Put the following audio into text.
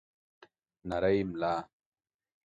نرۍ ملا